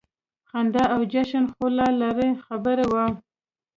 خندا او جشن خو لا لرې خبره وه.